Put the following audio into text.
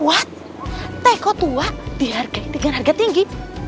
waduh teko tua dihargai dengan harga tinggi